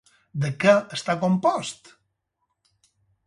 De què està compost?